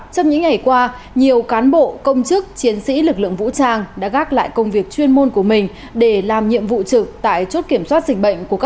trong những ngày qua nhiều cán bộ công chức chiến sĩ lực lượng vũ trang đã gác lại công việc chuyên môn của mình để làm nhiệm vụ trực tại chốt kiểm soát dịch bệnh